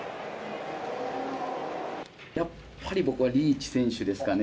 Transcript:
やっぱり僕は、リーチ選手ですかね。